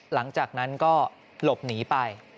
หลังจากนั้นก็หลบหนีไป